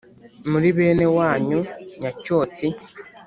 muri bene wanyu nyacyotsi,